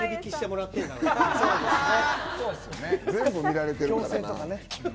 全部見られてるからな。